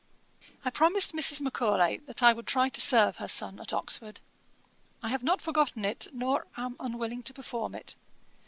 'I promised Mrs. Macaulay that I would try to serve her son at Oxford. I have not forgotten it, nor am unwilling to perform it.